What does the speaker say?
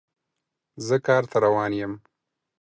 زه کار ته روان یم